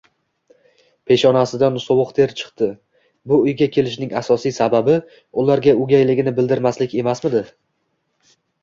Peshonasidan sovuq ter chikdi. Bu uyga kelishning asosiy sababi ularga o'gayligini bildirmaslik emasmidi?